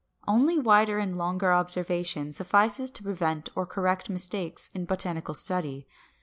Only wider and longer observation suffices to prevent or correct mistakes in botanical study.